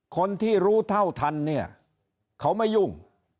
คนที่รู้เท่าทันเนี่ยเขาไม่ยุ่ง